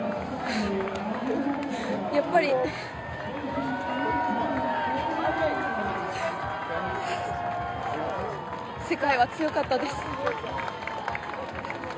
やっぱり世界は強かったです。